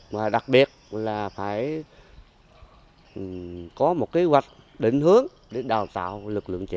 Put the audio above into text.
và đặc biệt là phải có một kế hoạch định hướng để đào tạo lực lượng trẻ